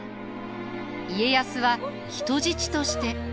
家康は人質として。